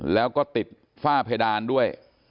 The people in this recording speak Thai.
แล้วก็ติดฝ้าเพดานด้วย